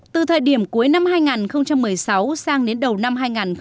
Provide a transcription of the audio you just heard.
từ thời điểm cuối năm hai nghìn một mươi sáu sang đến đầu năm hai nghìn một mươi bảy